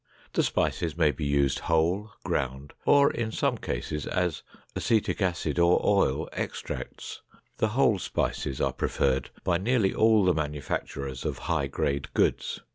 The spices may be used whole, ground, or in some cases as acetic acid or oil extracts. The whole spices are preferred by nearly all the manufacturers of high grade goods.